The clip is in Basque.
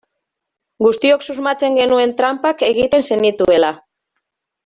Guztiok susmatzen genuen tranpak egiten zenituela.